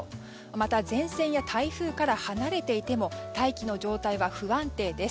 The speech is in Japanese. また、前線や台風から離れていても大気の状態は不安定です。